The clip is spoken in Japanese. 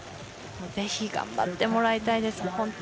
ぜひ頑張ってもらいたいです。